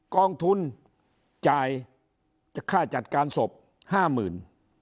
กองทุนจ่ายค่าจัดการศพ๕๐๐๐บาท